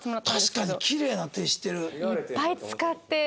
確かにキレイな手してる。